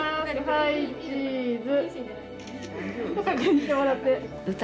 はいチーズ。